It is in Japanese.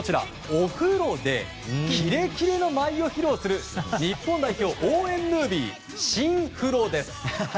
お風呂でキレキレの舞を披露する日本代表応援ムービーシンフロです。